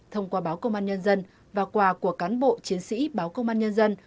thông qua báo công an nhân dân và quà của cán bộ chiến sĩ báo công an nhân dân